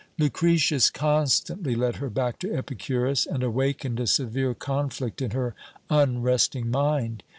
"Lucretius constantly led her back to Epicurus, and awakened a severe conflict in her unresting mind.